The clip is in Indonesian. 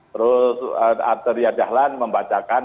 terus art riyad zahlan membacakan